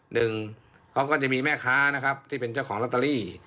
หนึ่งเขาก็จะมีแม่ค้านะครับที่เป็นเจ้าของลอตเตอรี่